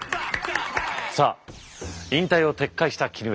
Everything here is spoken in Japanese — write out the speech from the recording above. さあ引退を撤回した絹枝